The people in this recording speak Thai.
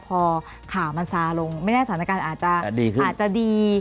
พอข่าวมันซาลงไม่แน่สถานการณ์อาจจะดี